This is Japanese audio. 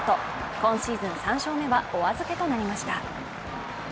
今シーズン３勝目はお預けとなりました。